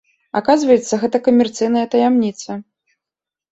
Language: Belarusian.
Аказваецца, гэта камерцыйная таямніца!